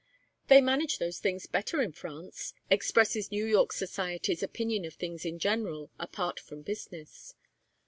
'They manage those things better in France,' expresses New York society's opinion of things in general apart from business.